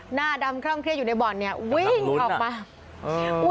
หน้าดำคล่องเครียดอยู่ในบ่อนเนี่ยวิ่งออกมา